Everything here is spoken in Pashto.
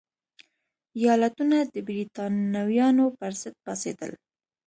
ایالتونه د برېټانویانو پرضد پاڅېدل.